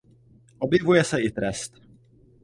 Objevuje se i trest.